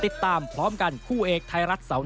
เตรียมป้องกันแชมป์ที่ไทยรัฐไฟล์นี้โดยเฉพาะ